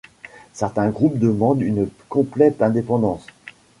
Certains groupes demandent une complète indépendance.